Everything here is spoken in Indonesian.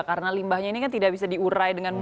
karena limbahnya ini kan tidak bisa diurai dengan musim